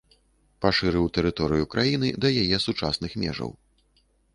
Пашырыў тэрыторыю краіны да яе сучасных межаў.